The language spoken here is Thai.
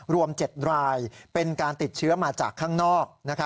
รวม๗รายเป็นการติดเชื้อมาจากข้างนอก